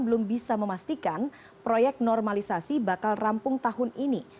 belum bisa memastikan proyek normalisasi bakal rampung tahun ini